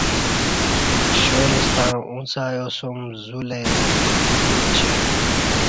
پشال ستݩع اُڅ ایاسوم زولاوری تیو کو چی